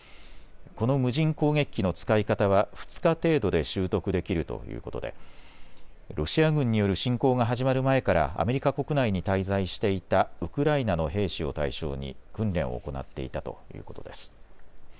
この無人攻撃機の使い方は２日程度で習得できるということでロシア軍による侵攻が始まる前からアメリカ国内に滞在していたウクライナの兵士を対象に訓練を行っていたということです。